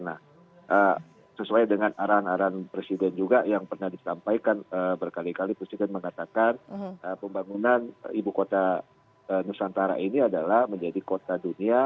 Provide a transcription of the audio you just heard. nah sesuai dengan arahan arahan presiden juga yang pernah disampaikan berkali kali presiden mengatakan pembangunan ibu kota nusantara ini adalah menjadi kota dunia